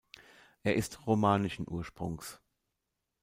Er ist romanischen Ursprungs.